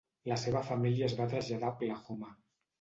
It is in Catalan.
La seva família es va traslladar a Oklahoma.